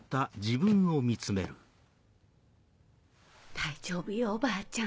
大丈夫よおばあちゃん。